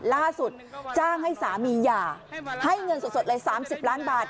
ล่าสุดจ้างให้สามีหย่าให้เงินสดเลย๓๐ล้านบาท